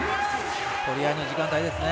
取り合いの時間帯ですね。